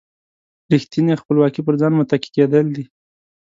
ریښتینې خپلواکي پر ځان متکي کېدل دي.